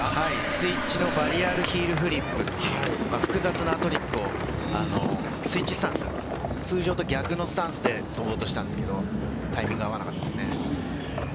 スイッチのバリアルヒールフリップという複雑なトリックをスイッチスタンス、通常と逆のスタンスで飛ぼうとしたんですけど、タイミングが合わなかったですね。